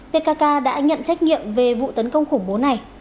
pkk đã nhận trách nhiệm về vụ tấn công khủng bố này